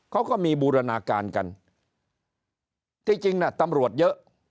เขาก็มีบูรณาการกันที่จริงน่ะตำรวจเยอะ